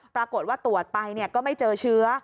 ปรากฏว่าตรวจไปก็ไม่เจอเชื้อ